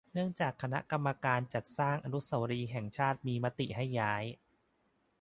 เนื่องจากคณะกรรมการจัดสร้างอนุสาวรีย์แห่งชาติมีมติให้ย้าย